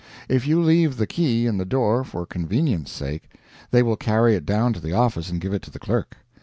If you leave the key in the door for convenience' sake, they will carry it down to the office and give it to the clerk.